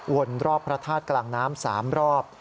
รอบพระธาตุกลางน้ำ๓รอบ